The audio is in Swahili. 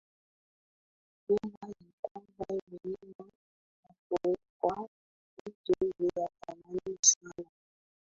Nyumba ilipangwa vyema na kuwekwa vitu vya thamani sana